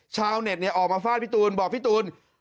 ชาวเน็ตออกมาฟาดพี่ตูนบอกพี่ตูน